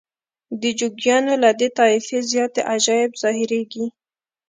د جوګیانو له دې طایفې زیاتې عجایب ظاهریږي.